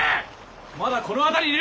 まだこの辺りにいる！